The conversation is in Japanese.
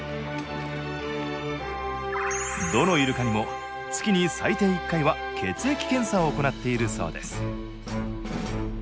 どのイルカにも月に最低１回は血液検査を行っているそうです